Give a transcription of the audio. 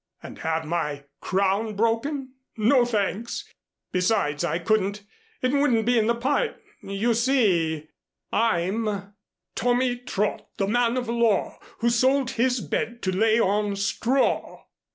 "And have my crown broken? No, thanks. Besides I couldn't. It wouldn't be in the part. You see I'm "'Tommy Trot, the man of law, Who sold his bed to lay on straw.